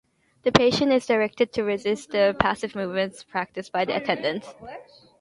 The patient is directed to resist the passive movements practiced by the attendant.